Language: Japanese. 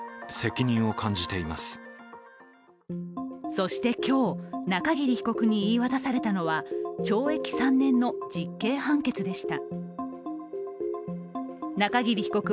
そして今日、中桐被告に言い渡されたのは懲役３年の実刑判決でした。